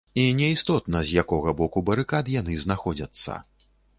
І не істотна, з якога боку барыкад яны знаходзяцца.